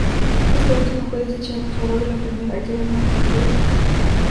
Esta última fue desechada en favor de la primera, que era más prometedora.